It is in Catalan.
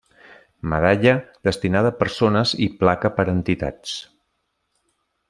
Medalla, destinada a persones i Placa per a entitats.